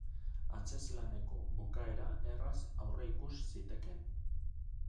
Antzezlaneko bukaera erraz aurreikus zitekeen.